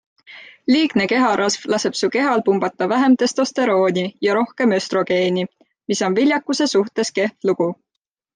Liigne keharasv laseb su kehal pumbata vähem testosterooni ja rohkem östrogeeni, mis on viljakuse suhtes kehv lugu.